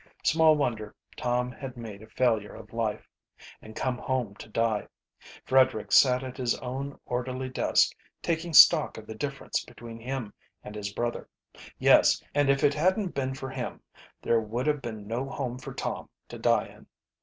Small wonder Tom had made a failure of life and come home to die. Frederick sat at his own orderly desk taking stock of the difference between him and his brother. Yes, and if it hadn't been for him, there would have been no home for Tom to die in.